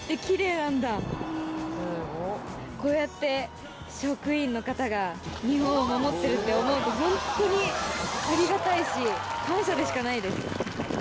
こうやって職員の方が日本を守ってるって思うとホントにありがたいし感謝でしかないです。